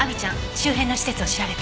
周辺の施設を調べて。